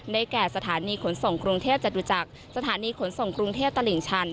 แก่สถานีขนส่งกรุงเทพจตุจักรสถานีขนส่งกรุงเทพตลิ่งชัน